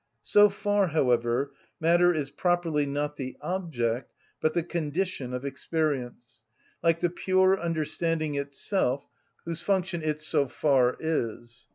So far, however, matter is properly not the object but the condition of experience; like the pure understanding itself, whose function it so far is.